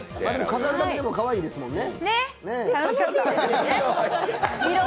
飾るだけでもかわいいですもんね。